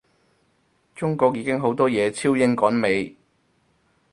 中國已經好多嘢超英趕美